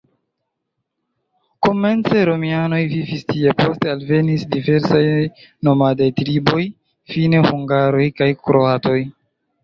Komence romianoj vivis tie, poste alvenis diversaj nomadaj triboj, fine hungaroj kaj kroatoj.